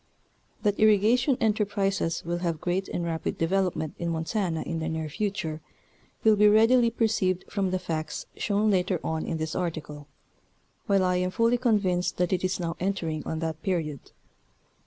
The Irrigation Problem in Montana. 213 That irrigation enterprises will have great and rapid develop ment in Montana in the near future will be readily perceived from the facts shown later on in this article, while I am fully convinced that it is now entering on that period.